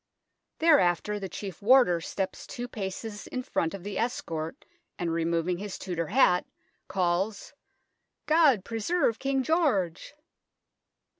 Thereafter the Chief Warder steps two paces in front of the escort, and, removing his Tudor hat, calls " God preserve King George